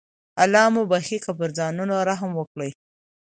الله مو بخښي که پر ځانونو رحم وکړئ.